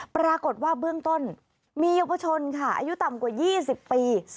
ปรากฏว่าเบื้องต้นมีเยาวชนค่ะอายุต่ำกว่า๒๐ปี